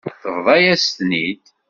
Tebḍa-yas-ten-id.